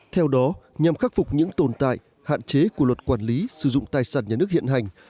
theo đó nhằm khắc phục những tồn tại hạn chế của luật quản lý sử dụng tài sản nhà nước hiện hành